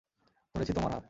ধরেছি তোমার হাত!